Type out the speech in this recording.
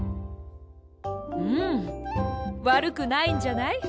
うんわるくないんじゃない。